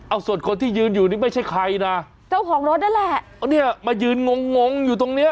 เอาส่วนคนที่ยืนอยู่นี่ไม่ใช่ใครนะเจ้าของรถนั่นแหละเนี่ยมายืนงงงงอยู่ตรงเนี้ย